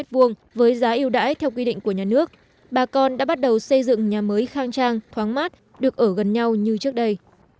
với giá yêu đãi theo quy định của nhà nước bà con đã bắt đầu xây dựng nhà mới khang trang thoáng mát được ở gần nhau như trước đây